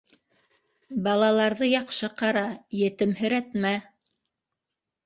Балаларҙы яҡшы ҡара, етемһерәтмә.